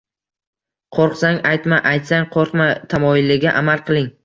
“Qo‘rqsang aytma, aytsang qo‘rqma” tamoyiliga amal qiling.